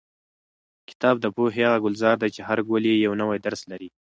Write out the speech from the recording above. کتاب د پوهې هغه ګلزار دی چې هر ګل یې یو نوی درس لري.